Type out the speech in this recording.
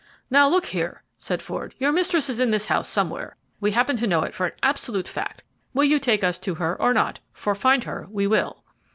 "Now, look here," said Ford, "your mistress is in this house somewhere. We happen to know it for an absolute fact. Will you take us to her or not, for find her we will?"